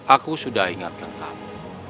aku sudah ingatkan kamu